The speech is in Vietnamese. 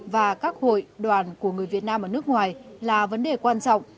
và các hội đoàn của người việt nam ở nước ngoài là vấn đề quan trọng